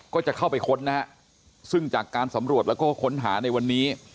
ก็จะเข้าไปค้นนะฮะซึ่งจากการสำรวจแล้วก็ค้นหาในวันนี้